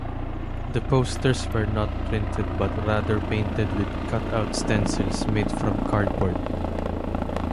The posters were not printed but rather painted with cut-out stencils made from cardboard.